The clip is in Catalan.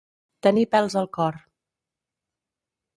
Tenir pèls al cor.